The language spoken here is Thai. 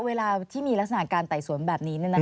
เวลาที่มีลักษณะการไต่สวนแบบนี้